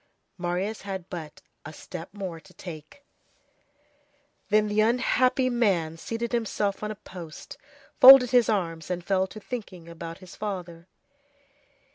Marius had but a step more to take. Then the unhappy young man seated himself on a post, folded his arms, and fell to thinking about his father.